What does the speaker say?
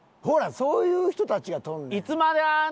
ほらそういう人たちが取るねん。